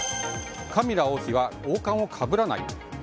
カミラ王妃は王冠をかぶらない？